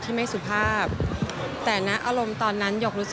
ดีครับเดียบร้อยครับ